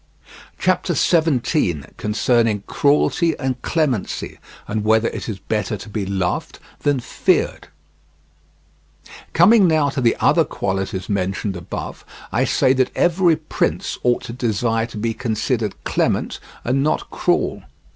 CHAPTER XVII. CONCERNING CRUELTY AND CLEMENCY, AND WHETHER IT IS BETTER TO BE LOVED THAN FEARED Coming now to the other qualities mentioned above, I say that every prince ought to desire to be considered clement and not cruel.